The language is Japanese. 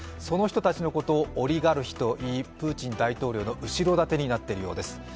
その人たちのことをオルガルヒといいプーチン大統領の後ろ盾になっているようです。